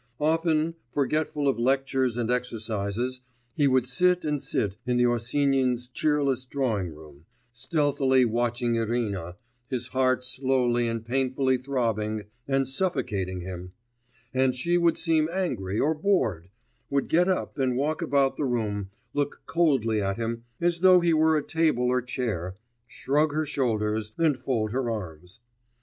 Often, forgetful of lectures and exercises, he would sit and sit in the Osinins' cheerless drawing room, stealthily watching Irina, his heart slowly and painfully throbbing and suffocating him; and she would seem angry or bored, would get up and walk about the room, look coldly at him as though he were a table or chair, shrug her shoulders, and fold her arms.